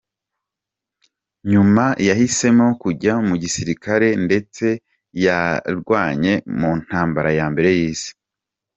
Nyuma yahisemo kujya mu gisirikare ndetse yarwanye mu ntambara ya mbere y’Isi.